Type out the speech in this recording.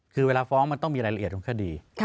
คือเวลาฟ้องมันต้องมีรายละเอียดของคดี